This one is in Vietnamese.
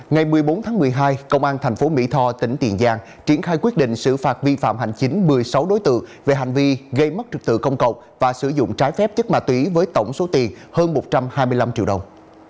ngày một mươi bốn tháng một mươi hai công an thành phố mỹ tho tỉnh tiền giang triển khai quyết định xử phạt vi phạm hành chính một mươi sáu đối tượng về hành vi gây mất trực tự công cộng và sử dụng trái phép chất ma túy với tổng số tiền hơn một trăm hai mươi năm triệu đồng